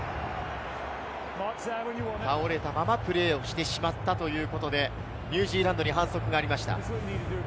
倒れたままプレーをしてしまったということで、ニュージーランドに反則がありました。